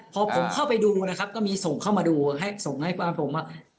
พอผมเข้าไปดูนะครับก็มีส่งเข้ามาดูส่งให้ผม